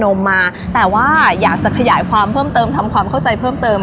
มมาแต่ว่าอยากจะขยายความเพิ่มเติมทำความเข้าใจเพิ่มเติม